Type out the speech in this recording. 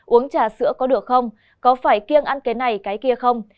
uống trà sữa có được không có phải kiêng ăn cái này cái kia không